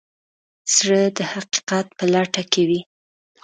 زړه د حقیقت په لټه کې وي.